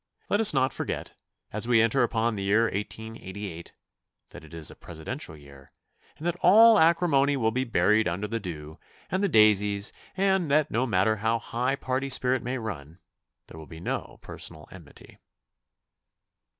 Let us not forget, as we enter upon the year 1888, that it is a Presidential year, and that all acrimony will be buried under the dew and the daisies, and that no matter how high party spirit may run, there will be no personal enmity.